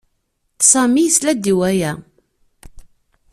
Sami yesla-d i waya.